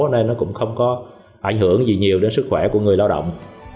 nên nó cũng không có ảnh hưởng gì nhiều đến sức khỏe của người lao động